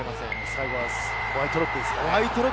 最後はホワイトロックですか。